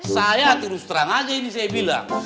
saya terus terang aja ini saya bilang